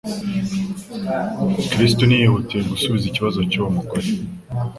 Kristo ntiyihutiye gusubiza ikibazo cy'uwo mugore.